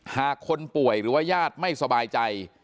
คนป่วยหรือว่าญาติไม่สบายใจ